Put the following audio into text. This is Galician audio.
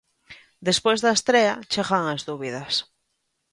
Despois da estrea, chegan as dúbidas.